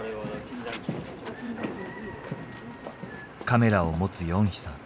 カメラを持つヨンヒさん。